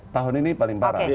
tahun ini paling parah